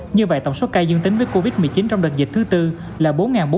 như vậy tổng số ca dương tính với covid một mươi chín trong đợt dịch thứ bốn là bốn bốn trăm bảy mươi tám